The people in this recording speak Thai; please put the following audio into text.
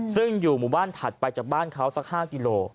ซึ่งอยู่หมู่บ้านถัดไปจากบ้านเขาสัก๕กิโล